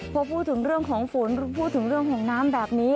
พอพูดถึงเรื่องของฝนพูดถึงเรื่องของน้ำแบบนี้